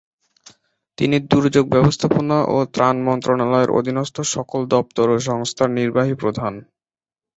তিনি দুর্যোগ ব্যবস্থাপনা ও ত্রাণ মন্ত্রণালয়ের অধীনস্থ সকল দপ্তর ও সংস্থার নির্বাহী প্রধান।